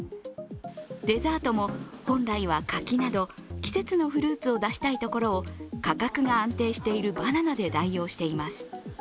デザートも、本来はカキなど季節のフルーツを出したいところを価格が安定しているバナナで代用しています。